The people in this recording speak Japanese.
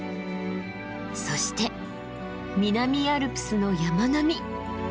そして南アルプスの山並み。